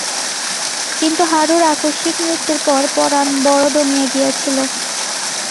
কিন্তু হারুর আকস্মিক মৃত্যুর পর পরাণ বড় দমিয়া গিয়াছিল।